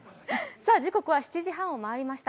時刻は７時半を回りました。